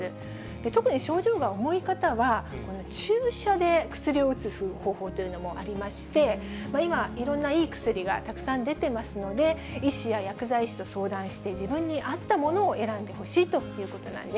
特に、症状が重い方は注射で薬を打つ方法というのもありまして、今、いろんないい薬がたくさん出てますので、医師や薬剤師と相談して、自分に合ったものを選んでほしいということなんです。